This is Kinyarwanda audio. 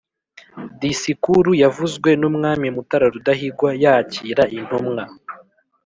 Disikuru yavuzwe n umwami Mutara Rudahigwa yakira intumwa